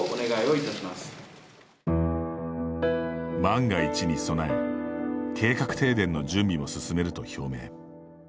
万が一に備え計画停電の準備も進めると表明。